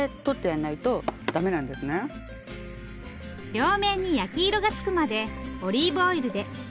両面に焼き色がつくまでオリーブオイルでバナナを焼きます。